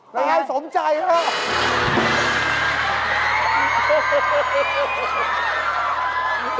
นายสมใจครับ